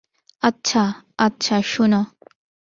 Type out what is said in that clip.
আচ্ছা, আচ্ছা, শোনো।